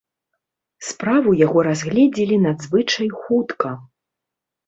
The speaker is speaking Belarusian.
Справу яго разгледзелі надзвычай хутка.